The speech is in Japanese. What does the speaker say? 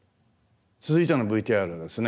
続いてのＶＴＲはですね